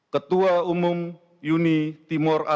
ketua umum uni timur aswain